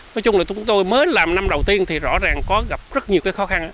nói chung là chúng tôi mới làm năm đầu tiên thì rõ ràng có gặp rất nhiều cái khó khăn